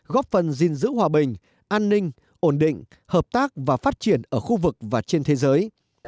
góp phần gìn giữ hòa bình an ninh ổn định hợp tác và phát triển ở khu vực và trên thế giới